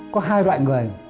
có hai loại người